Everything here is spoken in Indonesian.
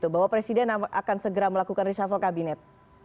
bahwa presiden akan segera melakukan reshuffle kabinet